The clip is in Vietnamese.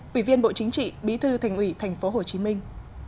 quỷ viên bộ chính trị bí thư thành ủy thành phố hồ chí minh